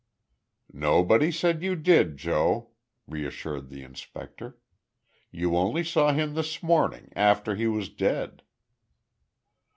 "Nobody said you did, Joe," reassured the inspector. "You only saw him this morning, after he was dead."